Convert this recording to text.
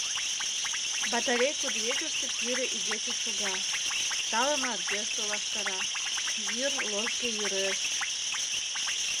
Батарей кудывечыште пире игече шога: тале мардеж толаштара, йӱр ложге йӱреш.